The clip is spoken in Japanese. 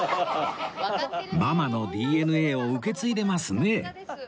ママの ＤＮＡ を受け継いでますね